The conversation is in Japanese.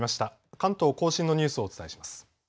関東甲信のニュースをお伝えします。